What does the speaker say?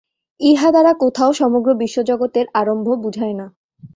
ইহা দ্বারা কোথাও সমগ্র বিশ্বজগতের আরম্ভ বুঝায় না।